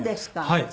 はい。